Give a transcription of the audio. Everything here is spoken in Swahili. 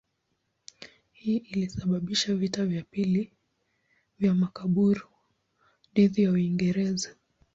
Hii ilisababisha vita vya pili vya Makaburu dhidi ya Uingereza.